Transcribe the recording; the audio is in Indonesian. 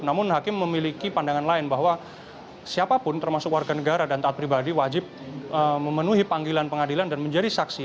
namun hakim memiliki pandangan lain bahwa siapapun termasuk warga negara dan taat pribadi wajib memenuhi panggilan pengadilan dan menjadi saksi